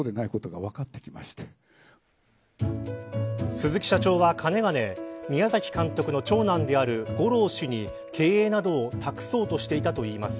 鈴木社長は、かねがね宮崎監督の長男である吾朗氏に経営などを託そうとしていたといいます。